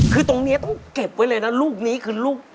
คือตรงนี้ต้องเก็บไว้เลยนะลูกนี้คือลูก